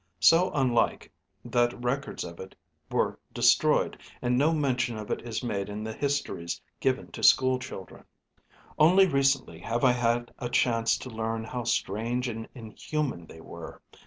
So unlike, that records of it were destroyed, and no mention of it is made in the histories given to school children. "Only recently have I had a chance to learn how strange and inhuman they were.